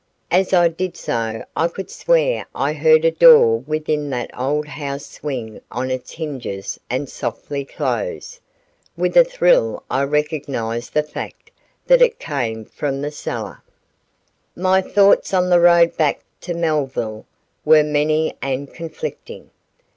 As I did so I could swear I heard a door within that old house swing on its hinges and softly close. With a thrill I recognized the fact that it came from the cellar. My thoughts on the road back to Melville were many and conflicting.